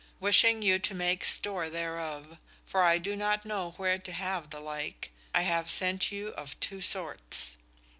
Wishing you to make store thereof, for I do not know where to have the like, I have sent you of two sorts.